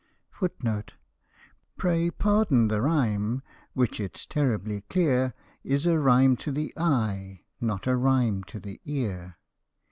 Pray pardon the rhyme, which, it 's terribly clear, Is a rhyme to the eye, not a rhyme to the ear.